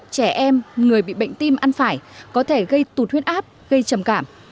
trẻ em người bị bệnh tim ăn phải có thể gây tụt huyết áp gây trầm cảm